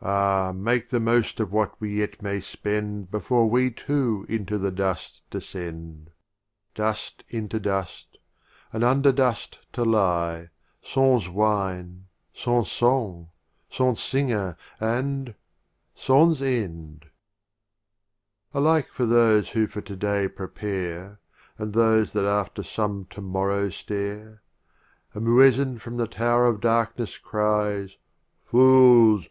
10 XXIV. Ah, make the most of what we yet R u b?hat may spend, of Omar Before we too into the Dust de Khayy * m scend ; Dust into Dust, and under Dust to lie, Sans Wine, sans Song, sans Singer, and — sans End! XXV. Alike for those who for To day prepare, And those that after some To mor row stare, A Muezzin from the Tower of Darkness cries, "Fools!